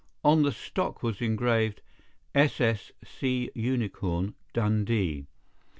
On the stock was engraved 'SS. Sea Unicorn, Dundee.